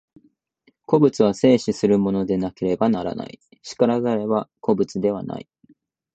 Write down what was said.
個物は生死するものでなければならない、然らざれば個物ではない。